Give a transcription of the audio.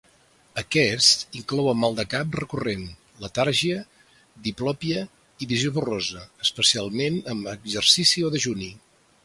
Aquests inclouen mal de cap recurrent, letargia, diplopia i visió borrosa, especialment amb exercici o dejuni.